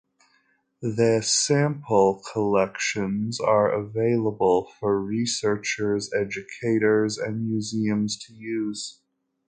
The sample collections are available for researchers, educators, and museums to use.